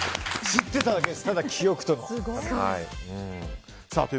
知ってただけです、ただ記憶と。